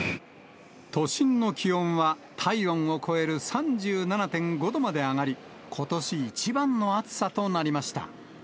都心の気温は体温を超える３７．５度まで上がり、ことし一番の暑さとなりました。